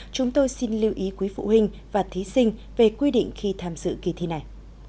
chúng tôi xin lưu ý quý phụ huynh và thí sinh về quy định khi tham dự kỳ thi này